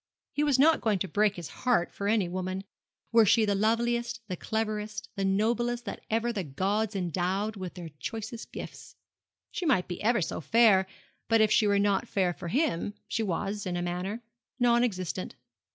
He was not going to break his heart for any woman, were she the loveliest, the cleverest, the noblest that ever the gods endowed with their choicest gifts. She might be ever so fair, but if she were not fair for him she was, in a manner, non existent.